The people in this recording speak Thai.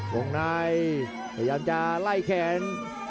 วงในพยายามจะไล่แขน